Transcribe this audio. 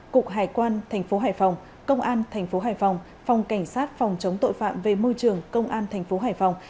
cục hải quan tp hải phòng công an tp hải phòng phòng cảnh sát phòng chống tội phạm về môi trường công an tp hải phòng